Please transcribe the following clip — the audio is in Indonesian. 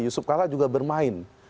yusuf kalla juga bermain